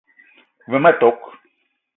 Ve ma tok :